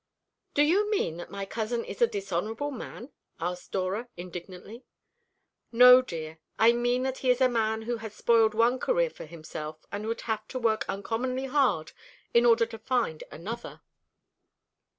"Do you mean that my cousin is a dishonourable man?" asked Dora indignantly. "No, dear. I mean that he is a man who has spoiled one career for himself, and will have to work uncommonly hard in order to find another."